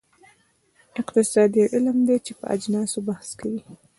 اقتصاد یو علم دی چې په اجناسو بحث کوي.